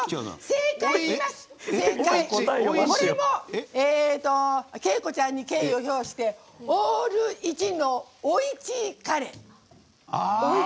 正解は、これも景子ちゃんに敬意を表して「オール１のおイチカレー」。